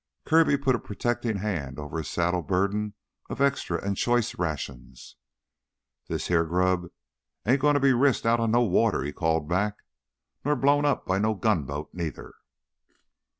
Kirby put a protecting hand over his saddle burden of extra and choice rations. "This heah grub ain't gonna be risked out on no water," he called back. "Nor blown up by no gunboat neither."